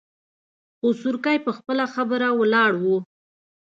خو سورکی په خپله خبره ولاړ و.